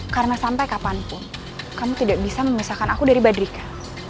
karena sampai kapanpun kamu tidak bisa memisahkan aku dari mbak drika